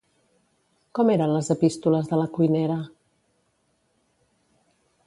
Com eren les epístoles de la cuinera?